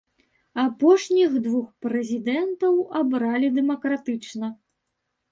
Апошніх двух прэзідэнтаў абралі дэмакратычна.